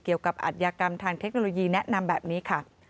อัธยากรรมทางเทคโนโลยีแนะนำแบบนี้ค่ะ